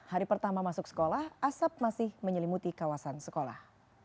hari pertama masuk sekolah asap masih menyelimuti kawasan sekolah